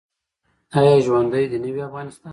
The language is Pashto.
آیا ژوندی دې نه وي افغانستان؟